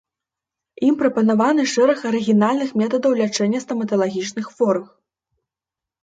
Ім прапанаваны шэраг арыгінальных метадаў лячэння стаматалагічных хворых.